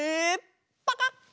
パカッ！